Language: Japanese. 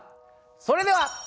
それでは。